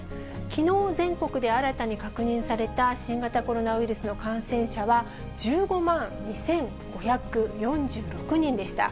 きのう、全国で新たに確認された新型コロナウイルスの感染者は１５万２５４６人でした。